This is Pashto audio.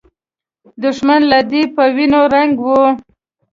دښمن له ده په وینو رنګ و.